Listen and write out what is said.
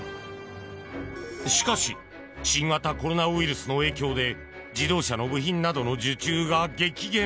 しかし新型コロナウイルスの影響で自動車の部品などの受注が激減。